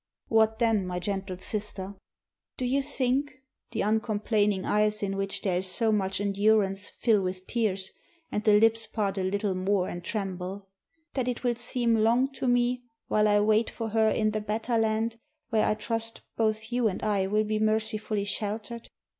''What then, my gentle sister?" "Do you think" — the uncomplaining eyes, in which there is so much endurance, fill with tears, and the lips part a little more and tremble —" that it will seem long to me, while I wait for her in the better land where I trust both you and I will be mercifully sheltered?